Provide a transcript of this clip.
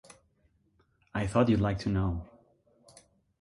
I thought you’d like to know.